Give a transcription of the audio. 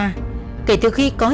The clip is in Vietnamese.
kể từ khi có thể trở lại việt nam